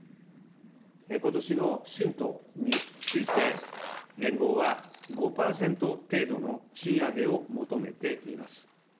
ことしの春闘について、連合は５％程度の賃上げを求めています。